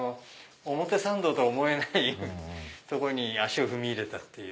表参道とは思えないとこに足を踏み入れたっていう。